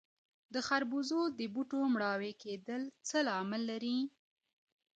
د خربوزو د بوټو مړاوي کیدل څه لامل لري؟